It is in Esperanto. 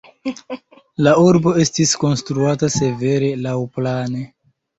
La urbo estis konstruata severe laŭplane.